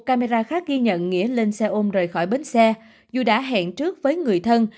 camera khác ghi nhận nghĩa lên xe ôm rời khỏi bến xe dù đã hẹn trước với người thân